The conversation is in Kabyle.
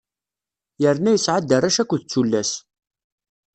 Yerna yesɛa-d arrac akked tullas.